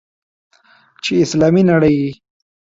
چې اسلامي نړۍ یې.